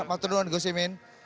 pak tunun gus imin